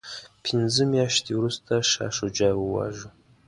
پنځه میاشتې وروسته شاه شجاع وواژه.